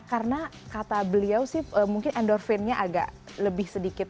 karena kata beliau sih mungkin endorfinnya agak lebih sedikit